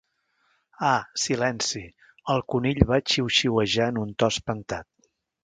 "Ah, silenci!", el conill va xiuxiuejar en un to espantat.